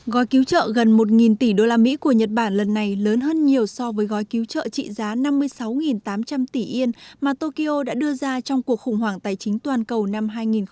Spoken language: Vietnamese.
gói cứu trợ gần một tỷ usd của nhật bản lần này lớn hơn nhiều so với gói cứu trợ trị giá năm mươi sáu tám trăm linh tỷ yên mà tokyo đã đưa ra trong cuộc khủng hoảng tài chính toàn cầu năm hai nghìn một mươi